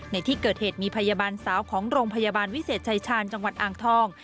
ในที่เกิดเหตุมีพยาบาลสาวของโรงพยาบาลวิเศษชายชาญจังหวัดอ่างทอง